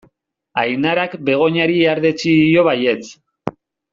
Ainarak Begoñari ihardetsi dio baietz.